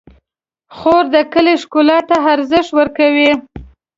خور د کلي ښکلا ته ارزښت ورکوي.